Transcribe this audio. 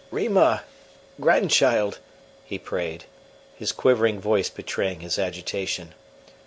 "Rima! Grandchild!" he prayed, his quivering voice betraying his agitation.